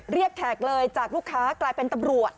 แขกเลยจากลูกค้ากลายเป็นตำรวจ